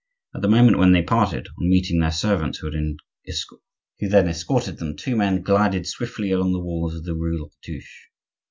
At the moment when they parted, on meeting their servants who then escorted them, two men glided swiftly along the walls of the rue de l'Autruche.